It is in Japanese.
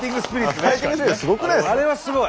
あれはすごい。